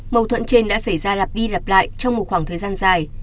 mâu thuẫn trên đã xảy ra lạp đi lạp lại trong một khoảng thời gian dài